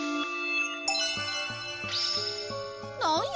なんや？